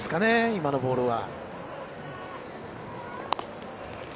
今のボールは。